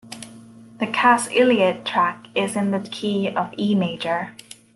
The Cass Elliot track is in the key of E major.